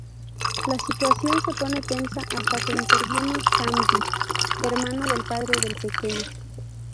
La situación se pone tensa hasta que interviene Hamdi, hermano del padre del pequeño.